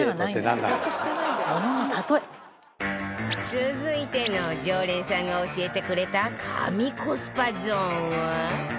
続いての常連さんが教えてくれた神コスパゾーンは